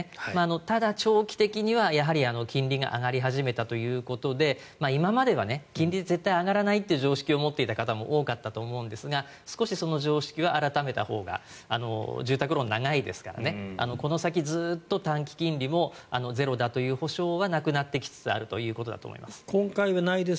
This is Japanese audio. ただ、長期的には金利が上がり始めたということで今までは金利絶対上がらないという常識を持っていた方も多かったと思うんですが少し、その常識は改めたほうが住宅ローン、長いですからこの先ずっと短期金利もゼロだという保証はなくなってきつつあるということだと思います。